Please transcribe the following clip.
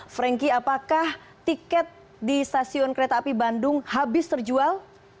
franky apakah tiket di stasiun kereta api bandung habis terjual